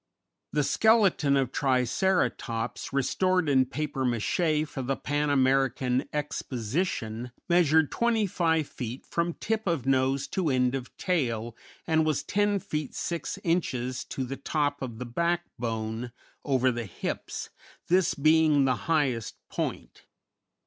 The skeleton of Triceratops restored in papier maché for the Pan American Exposition measured 25 feet from tip of nose to end of tail and was 10 feet 6 inches to the top of the backbone over the hips, this being the highest point.